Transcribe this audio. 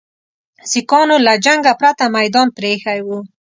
سیکهانو له جنګه پرته میدان پرې ایښی وو.